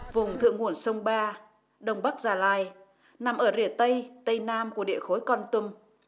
vùng thượng nguồn sông ba đông bắc gia lai nằm ở rể tây tây nam của địa khối con tum